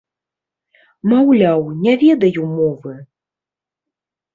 Маўляў, не ведаю мовы.